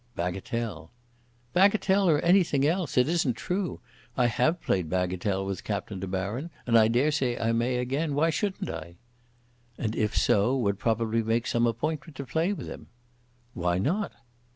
"Bagatelle." "Bagatelle, or anything else! It isn't true. I have played bagatelle with Captain de Baron, and I daresay I may again. Why shouldn't I?" "And if so, would probably make some appointment to play with him." "Why not?"